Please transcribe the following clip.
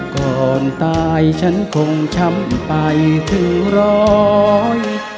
ก่อนตายฉันคงช้ำไปถึงร้อย